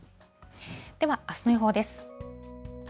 では、あすの予報です。